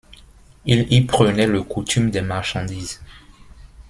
Il y prenait le coutume des marchandises.